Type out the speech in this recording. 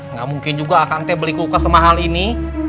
nggak mungkin juga akan teh beli kulkas semahal ini